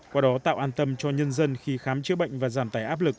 qua đó tạo an tâm cho nhân dân khi khám chữa bệnh và giảm tải áp lực